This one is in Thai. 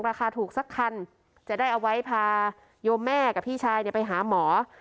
ราคาถูกสักคันจะได้เอาไว้พาโยมแม่กับพี่ชายไปหาหมอ